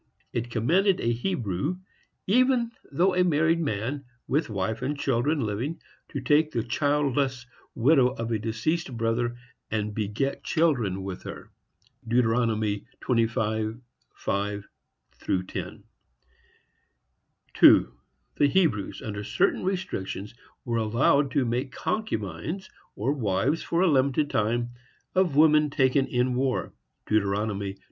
It commanded a Hebrew, even though a married man, with wife and children living, to take the childless widow of a deceased brother, and beget children with her.—Deut. 25:5–10. 2. The Hebrews, under certain restrictions, were allowed to make concubines, or wives for a limited time, of women taken in war.—Deut.